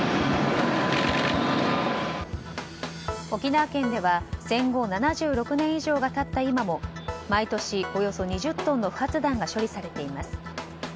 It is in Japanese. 沖縄県では戦後７６年以上が経った今も毎年およそ２０トンの不発弾が処理されています。